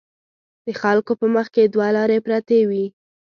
د خلکو په مخکې دوه لارې پرتې وي.